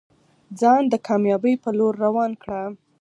ځان د کامیابۍ په لور روان کړه.